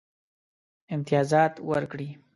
امتیازات ورکړي.